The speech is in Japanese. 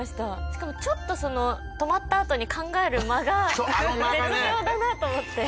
しかも、ちょっと止まったあとに考える間が絶妙だなと思って。